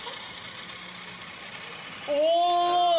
お！